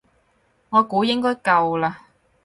我估應該夠啦